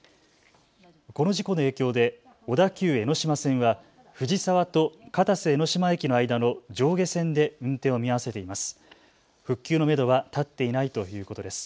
この事故の影響で小田急江ノ島線は藤沢と片瀬江ノ島駅の間の上下線で運転を見合わせています。